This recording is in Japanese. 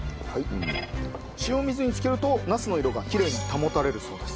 塩水に漬けるとナスの色がきれいに保たれるそうです。